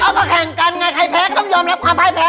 เอ้าเพราะแข่งกันไงใครแพ้ก็ต้องยอมรับความแพ้ไป